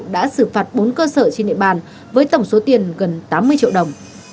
đã xử phạt bốn cơ sở trên địa bàn với tổng số tiền gần tám mươi triệu đồng